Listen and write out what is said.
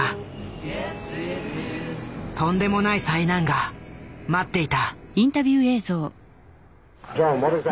とんでもない災難が待っていた。